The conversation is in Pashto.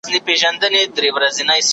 آيا ټولنيز پيوستون اندازه کيدای سي؟